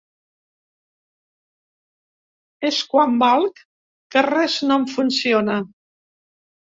És quan valc que res no em funciona.